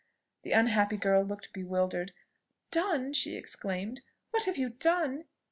The unhappy girl look bewildered. "Done!" she exclaimed. "What have you done?